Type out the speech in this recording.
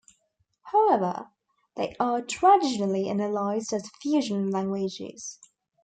However, they are traditionally analyzed as fusional languages.